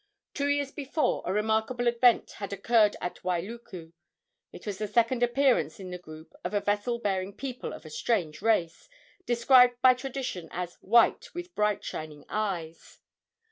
Two years before a remarkable event had occurred at Wailuku. It was the second appearance in the group of a vessel bearing people of a strange race, described by tradition as "white, with bright, shining eyes."